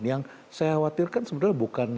yang saya khawatirkan sebenarnya bukan